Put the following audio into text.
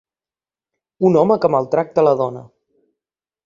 Un home que maltracta la dona.